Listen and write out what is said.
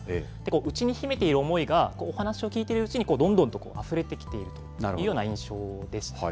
内に秘めている思いが、お話を聞いているうちに、どんどんとあふれてきているというような印象です。